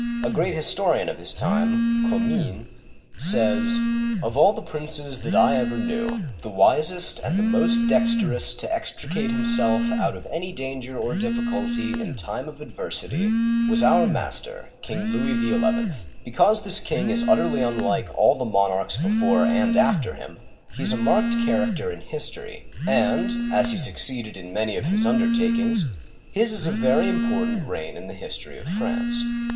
A great historian of his time (Comines) says: " Of all the princes that I ever knew, the wisest and the most dexterous to extricate himself out of any danger or difficulty in time of adversity was our master, King Louis XL" Because this king is utterly unlike all the monarchs before and after him, he is a marked char acter in history, and, as he succeeded in many of his undertakings, his is a very important reign in the history of France.